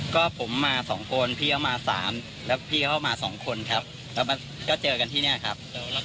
ก็ผมมา๒คนพี่เขามา๓แล้วพี่เขามาสองคนครับแล้วก็เจอกันที่นี่ครับ